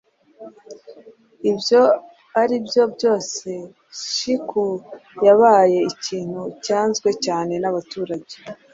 Ibyo ari byo byose shiku yabaye ikintu cyanzwe cyane n'abaturage.